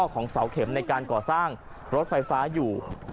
ของเสาเข็มในการก่อสร้างรถไฟฟ้าอยู่